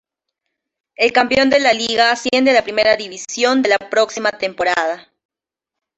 El campeón de la liga asciende a la Primera División de la próxima temporada.